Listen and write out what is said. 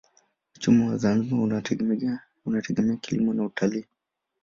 Uchumi wa Zanzibar unategemea kilimo na utalii.